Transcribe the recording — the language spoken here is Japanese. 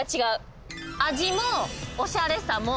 味もおしゃれさも。